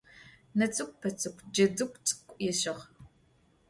Нэ цlыкlу пэ цlыкlу джэдыгу цlыкlу ыщыгъ